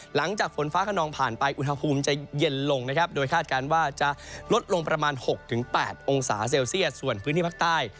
หลังจากฝนฟ้าขนองผ่านไปอุณหภูมิจะเย็นลงนะครับโดยคาดการณ์ว่าจะลดลงประมาณ๖๘องศาเซลเซียสส่วนพื้นที่ภาคใต้